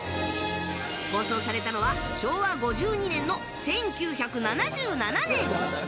放送されたのは昭和５２年の１９７７年。